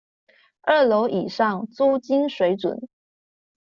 二樓以上租金水準